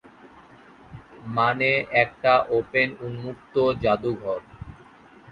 মানে একটা ওপেন উন্মুক্ত জাদুঘর’।